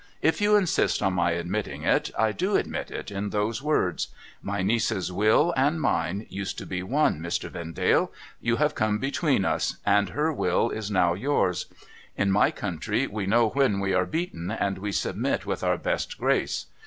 ' If you insist on my admitting it, I do admit it in those words. My niece's will and mine used to be one, Mr. Vendale. You have come between us, and her will is now yours. In my country, we know when we are beaten, and we submit with our best grace.